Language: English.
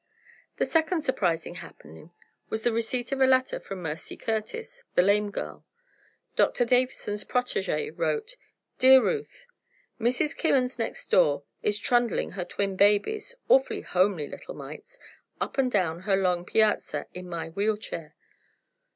The second surprising happening was the receipt of a letter from Mercy Curtis, the lame girl. Dr. Davison's protege wrote: "Dear Ruth: "Mrs. Kimmons, next door, is trundling her twin babies awfully homely little mites up and down her long piazza in my wheel chair.